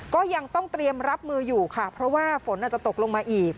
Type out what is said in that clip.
ก็ยังต้องเตรียมรับมืออยู่ค่ะเพราะว่าฝนอาจจะตกลงมาอีก